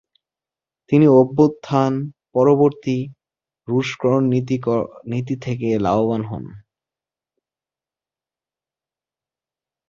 তিনি অভ্যুত্থান-পরবর্তী রুশকরণ নীতি থেকে লাভবান হন।